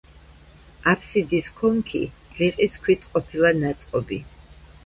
აფსიდის ქონქი რიყის ქვით ყოფილა ნაწყობი.